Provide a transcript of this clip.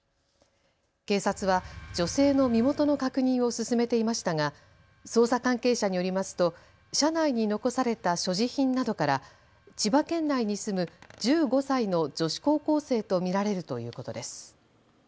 警察は女性の身元の確認を進めていましたが捜査関係者によりますと車内に残された所持品などから千葉県内に住む１５歳の女子高校生と見られるということです。